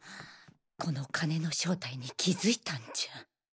この金の正体に気付いたんじゃ？